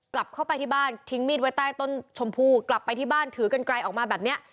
กลับเข้าไปที่บ้านทิ้งมีดไว้ใต้ต้นชมพู่กลับไปที่บ้านถือกันไกลออกมาแบบเนี้ย